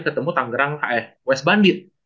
ketemu tanggerang hf wes bandit